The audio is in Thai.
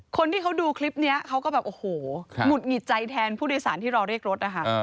คนที่เขาดูคลิปนี้เขาก็แบบโอ้โหหงุดหงิดใจแทนผู้โดยสารที่รอเรียกรถนะคะ